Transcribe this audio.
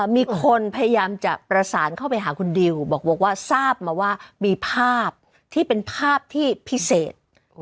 มีคนพยายามจะประสานเข้าไปหาคุณดิวบอกว่าทราบมาว่ามีภาพที่เป็นภาพที่พิเศษ